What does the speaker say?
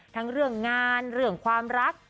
ทั้งเรื่องงานเรื่องความรัก